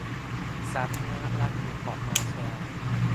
สาธารณรัฐหมู่เกาะมาร์แชลล์